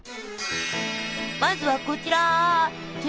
まずはこちら。